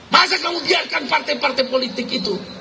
masa kamu biarkan partai partai politik itu